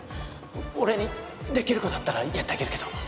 俺にできる事あったらやってあげるけど。